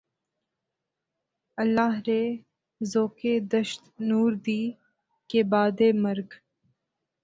اللہ رے ذوقِ دشت نوردی! کہ بعدِ مرگ